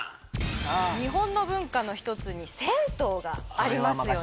日本の文化の一つに銭湯がありますよね・